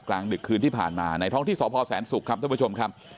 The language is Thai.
กลางดึกคืนที่ผ่านมาในท้องที่สพแสนศุกร์ครับท่านผู้ชมครับ